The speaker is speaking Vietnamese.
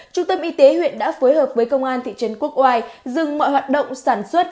trung tâm y tế huyện đã phối hợp với công an thị trấn quốc oai dừng mọi hoạt động sản xuất